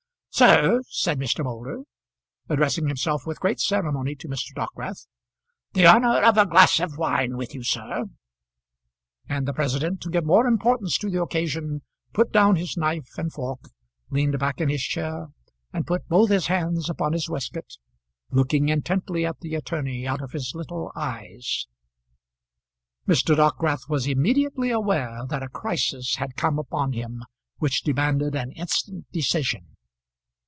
"Sir," said Mr. Moulder, addressing himself with great ceremony to Mr. Dockwrath, "the honour of a glass of wine with you, sir," and the president, to give more importance to the occasion, put down his knife and fork, leaned back in his chair, and put both his hands upon his waistcoat, looking intently at the attorney out of his little eyes. Mr. Dockwrath was immediately aware that a crisis had come upon him which demanded an instant decision.